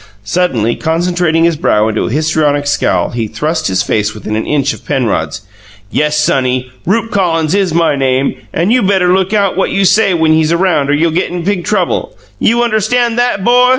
Suddenly concentrating his brow into a histrionic scowl he thrust his face within an inch of Penrod's. "Yes, sonny, Rupe Collins is my name, and you better look out what you say when he's around or you'll get in big trouble! YOU UNDERSTAND THAT, 'BO?"